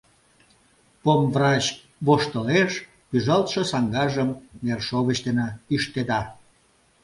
Помврач воштылеш, пӱжалтше саҥгажым нершовыч дене ӱштеда.